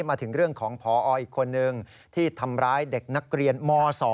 มาถึงเรื่องของพออีกคนนึงที่ทำร้ายเด็กนักเรียนม๒